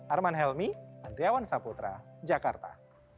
arman helmi andriawan saputra jakarta